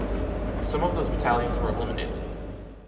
Some of those battalions were eliminated.